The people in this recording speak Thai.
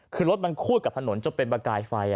คือรถมันคูดกับถนนจนเป็นประกายไฟ